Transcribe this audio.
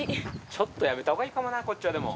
ちょっとやめた方がいいかもなこっちはでも。